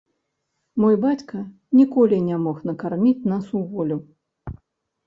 Мой бацька ніколі не мог накарміць нас уволю.